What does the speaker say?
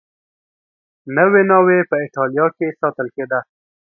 نوې ناوې په اېټالیا کې ساتل کېده